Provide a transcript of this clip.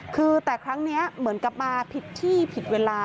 คือแต่ครั้งนี้เหมือนกับมาผิดที่ผิดเวลา